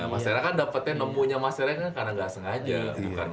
masyarakat dapatnya punya masyarakat kan karena gak sengaja